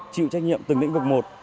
chịu trách nhiệm từng lĩnh vực một